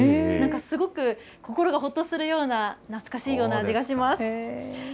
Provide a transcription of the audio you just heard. なんかすごく心がほっとするような、懐かしいような味がします。